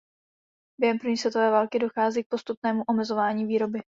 Během první světové války dochází k postupnému omezování výroby.